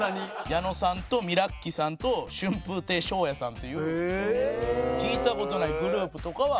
矢野さんとミラッキさんと春風亭昇也さんという聞いた事ないグループとかは。